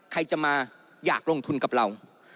ใครจะมาอยากลงทุนกับเรา